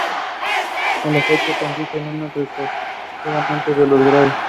El efecto consiste en un reforzamiento de los graves.